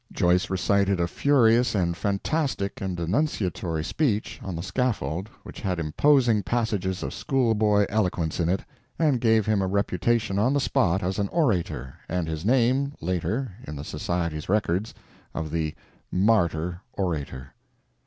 Joyce recited a furious and fantastic and denunciatory speech on the scaffold which had imposing passages of school boy eloquence in it, and gave him a reputation on the spot as an orator, and his name, later, in the society's records, of the "Martyr Orator."